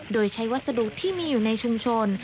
โดยใช้วัสดุที่มีอยู่ในชุมชน